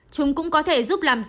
chúng cũng có thể giúp làm bệnh